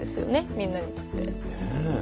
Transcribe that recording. みんなにとって。